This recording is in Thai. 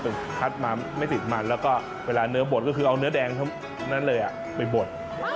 เป็นพัดมาไม่ติดมันแล้วก็เวลาเนื้อบดก็คือเอาเนื้อแดงเท่านั้นเลยไปบด